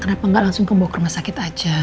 kenapa gak langsung kembawa ke rumah sakit aja